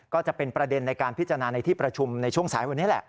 ก็จะเป็นประเด็นในการพิจารณาในที่ประชุมในช่วงสายวันนี้แหละ